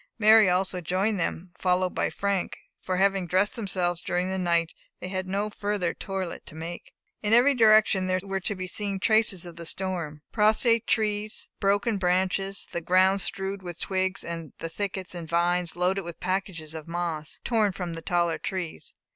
Mary also joined them, followed by Frank; for having dressed themselves during the night, they had no further toilet to make. In every direction were to be seen traces of the storm; prostrate trees, broken branches, the ground strewed with twigs, and the thickets and vines loaded with packages of moss, torn from the taller trees.